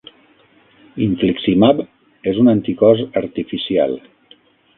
Infliximab és un anticòs artificial.